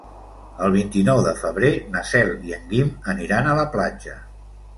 El vint-i-nou de febrer na Cel i en Guim aniran a la platja.